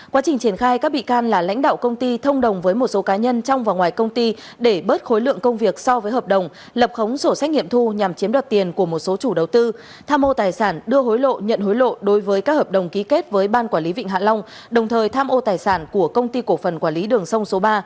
quá trình triển khai các bị can là lãnh đạo công ty thông đồng với một số cá nhân trong và ngoài công ty để bớt khối lượng công việc so với hợp đồng lập khống sổ sách nghiệm thu nhằm chiếm đoạt tiền của một số chủ đầu tư tham mô tài sản đưa hối lộ nhận hối lộ đối với các hợp đồng ký kết với ban quản lý vịnh hạ long đồng thời tham ô tài sản của công ty cổ phần quản lý đường sông số ba